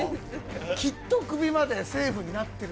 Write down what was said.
きっとクビまでセーフになってる。